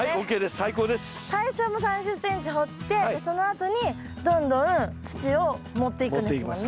最初３０ｃｍ掘ってそのあとにどんどん土を盛っていくんですもんね。